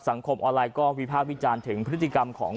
สังคมออนไลน์ก็วิพากษ์วิจารณ์ถึงพฤติกรรมของ